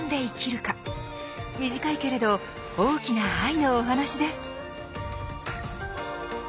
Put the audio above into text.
短いけれど大きな愛のお話です。